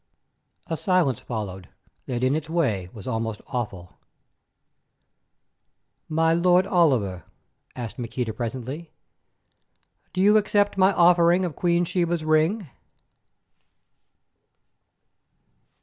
A silence followed that in its way was almost awful. "My Lord Oliver," asked Maqueda presently, "do you accept my offering of Queen Sheba's ring?"